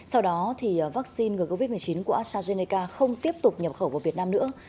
sau đó vaccine ngừa covid một mươi chín của astrazeneca không tiếp tục nhập khẩu vào việt nam nữa